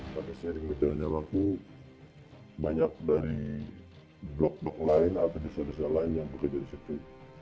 pada sering berjalannya waktu banyak dari blok blok lain atau desa desa lain yang bekerja di situ